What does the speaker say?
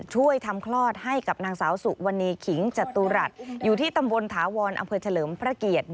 ช่วยทำคลอดให้กับนางสาวสุวรรณีขิงจตุรัสอยู่ที่ตำบลถาวรอำเภอเฉลิมพระเกียรติ